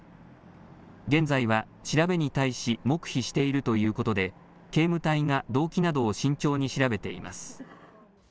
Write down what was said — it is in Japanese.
現在は調べに対し黙秘しているということで警務隊が動機などを慎重に調べています。